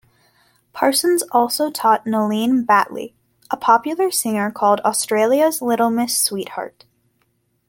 Parsons also taught Noeleen Batley - a popular singer called "Australia's Little Miss Sweetheart".